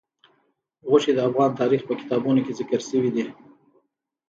غوښې د افغان تاریخ په کتابونو کې ذکر شوي دي.